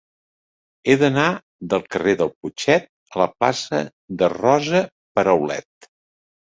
He d'anar del carrer del Putxet a la plaça de Rosa Peraulet.